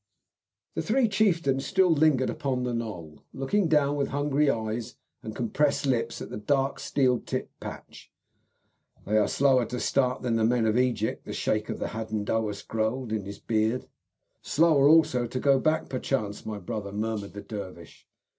The three chieftains still lingered upon the knoll, looking down with hungry eyes and compressed lips at the dark steel tipped patch. "They are slower to start than the men of Egypt," the Sheik of the Hadendowas growled in his beard. "Slower also to go back, perchance, my brother," murmured the dervish.